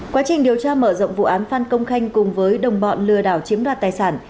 quá trình điều tra mở rộng vụ án phan công khanh cùng với đồng bọn lừa đảo chiếm đoạt tài sản